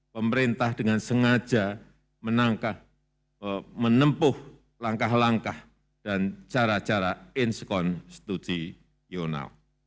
pemerintah dengan sengaja menempuh langkah langkah dan cara cara inskonstitusional